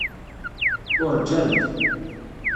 Uṛǧant.